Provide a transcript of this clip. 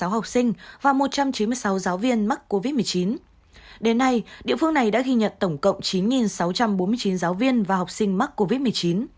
hai chín trăm bảy mươi sáu học sinh và một trăm chín mươi sáu giáo viên mắc covid một mươi chín đến nay địa phương này đã ghi nhận tổng cộng chín sáu trăm bốn mươi chín giáo viên và học sinh mắc covid một mươi chín